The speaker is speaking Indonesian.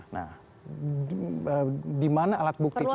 nah di mana alat bukti itu